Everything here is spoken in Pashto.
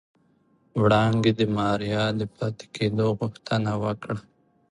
وړانګې د ماريا د پاتې کېدو غوښتنه وکړه.